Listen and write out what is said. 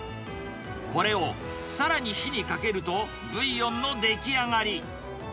これをさらに火にかけると、ブイヨンの出来上がり。